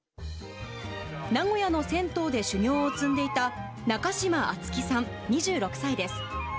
名古屋の銭湯で修業を積んでいた、中島惇生さん２６歳です。